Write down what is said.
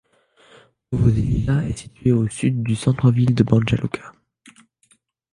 Novoselija est située au sud du centre ville de Banja Luka.